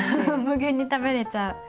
無限に食べれちゃう。